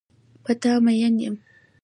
په تا مین یم.